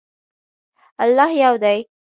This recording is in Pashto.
الله یو دی.